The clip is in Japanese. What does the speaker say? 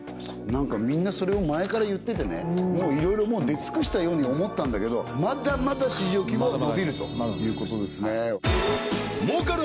何かみんなそれを前から言っててねもういろいろ出尽くしたように思ったんだけどまだまだ市場規模は伸びるということですね